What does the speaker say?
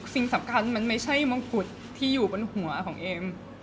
สิ่งสำคัญมันไม่ใช่มงกุฎที่อยู่บนหัวของเอ็ม